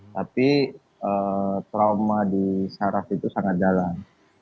tapi trauma di saraf itu sangat dalam